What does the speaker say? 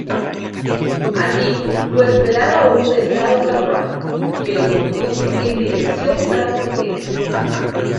Allí lo esperaba un pesado carruaje, que los condujo en dirección a la frontera.